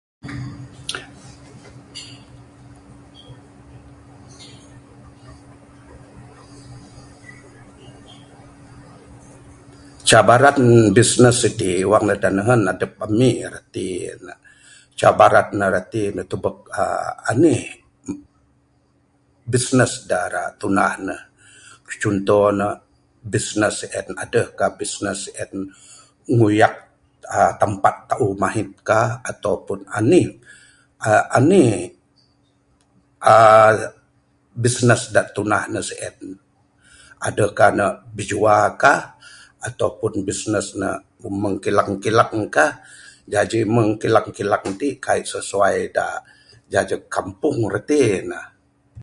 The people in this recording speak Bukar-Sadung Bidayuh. Cabaran business siti wang ne dak nehen adep ami reti nek cabaran ne reti ne tebuk aaa enih business dak ira tundah nek. Contoh nek business sien adehkah business nguyak aaa tempat teuh mehit kah ataupun enih aaa enih aaa business dak tundah ne sien. Adehkah nek bijuakah ataupun business nek meng kilang-kilang kah, jaji mung kilang-kilang tik kai sesuai dak jejek Kampung reti nek.